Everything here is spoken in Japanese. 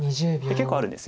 結構あるんです。